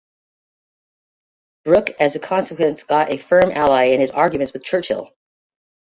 Brooke as a consequence got a firm ally in his arguments with Churchill.